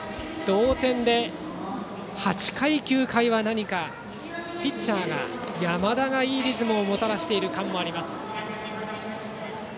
同点で、８回と９回は何かピッチャーの山田がいいリズムをもたらしている感もあります。